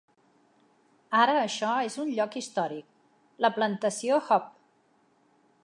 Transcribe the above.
Ara això és un lloc històric, la plantació Hope.